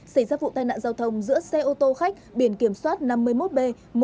xảy ra vụ tai nạn giao thông giữa xe ô tô khách biển kiểm soát năm mươi một b một mươi chín nghìn chín trăm năm mươi sáu